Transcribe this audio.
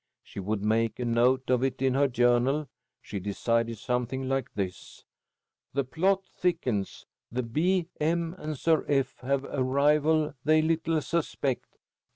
She would make a note of it in her journal, she decided, something like this: "The plot thickens. The B. M. and Sir F. have a rival they little suspect.